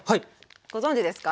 ご存じですか？